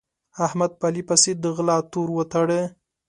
احمد په علي پسې د غلا تور وتاړه.